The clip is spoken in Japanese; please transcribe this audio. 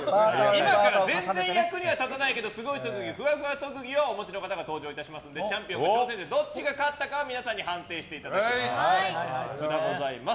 今から全然役には立たないけどすごい特技ふわふわ特技をお持ちの方が登場しますのでチャンピオンと挑戦者どっちが勝ったか皆さんに判定していただきます。